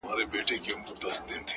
• میاشته کېږي بې هویته ـ بې فرهنګ یم ـ